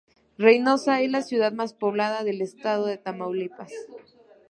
Reynosa es la ciudad más poblada del estado de Tamaulipas.